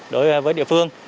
đối với địa phương